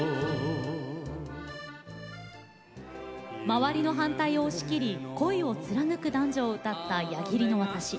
周りの反対を押し切り恋を貫く男女を歌った「矢切の渡し」